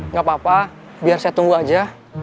nggak apa apa biar saya tunggu aja